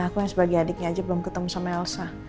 aku sebagai adiknya aja belum ketemu sama elsa